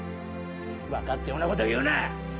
分かったようなことを言うな！